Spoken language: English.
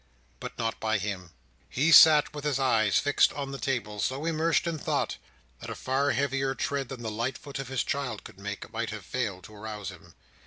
But not by him. He sat with his eyes fixed on the table, so immersed in thought, that a far heavier tread than the light foot of his child could make, might have failed to rouse him.